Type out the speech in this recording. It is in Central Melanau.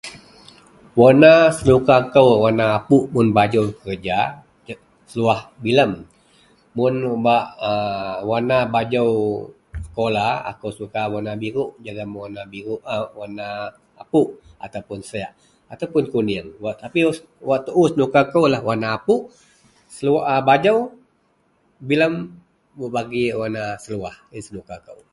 Warna senuka kou warna apouk un bajou kerja seluwah bilem, mun bak warna bajou kola akou suka birouk jegum apouk ataupuon siek ataupuon kuning. Tapi wak tuo senuka kou lah warna apouk bajou bilem sama ji warna seluwah iyen senuka kou.